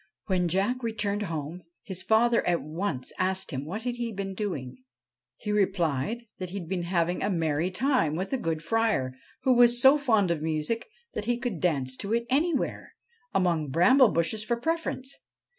When Jack returned home his father at once asked him what he had been doing. He replied that he had been having a merry time with the good Friar, who was so fond of music that he could dance to it anywhere among bramble bushes for preference.